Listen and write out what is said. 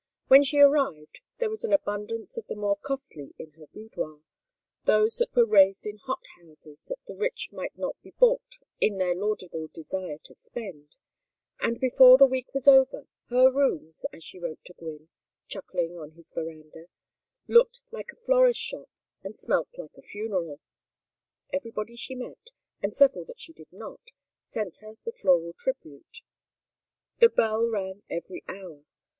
When she arrived there was an abundance of the more costly in her boudoir those that were raised in hot houses that the rich might not be balked in their laudable desire to spend and before the week was over, her rooms, as she wrote to Gwynne chuckling on his veranda looked like a florist's shop and smelt like a funeral. Everybody she met, and several that she did not, sent her the floral tribute. The bell rang every hour.